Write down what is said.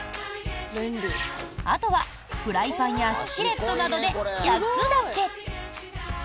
あとはフライパンやスキレットなどで焼くだけ。